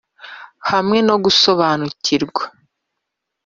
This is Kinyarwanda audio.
hamwe no gusobanukirwa.